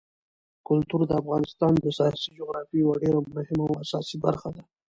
کلتور د افغانستان د سیاسي جغرافیې یوه ډېره مهمه او اساسي برخه ده.